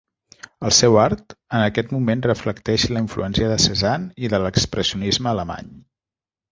El seu art, en aquest moment reflecteix la influència de Cézanne i de l'expressionisme alemany.